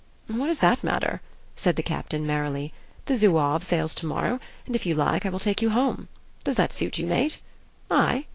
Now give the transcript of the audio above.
"What does that matter?" said the captain merrily. "The Zouave sails tomorrow, and if you like I will take you home. Does that suit you, mate? Ay?